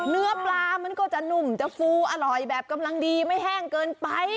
เนื้อปลามันก็จะนุ่มจะฟูอร่อยแบบกำลังดีไม่แห้งเกินไป